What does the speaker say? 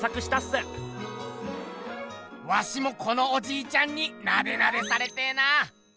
ワシもこのおじいちゃんになでなでされてぇな！